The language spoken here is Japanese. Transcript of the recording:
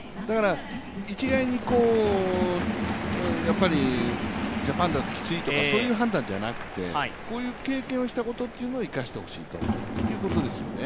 一概にジャパンだときついとか、そういう判断じゃなくてこういう経験をしたっていうことを生かして欲しいってことですよね。